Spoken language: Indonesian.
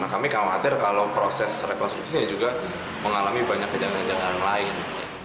kami khawatir kalau proses rekonstruksi juga mengalami banyak kejanggalan kejanggalan lain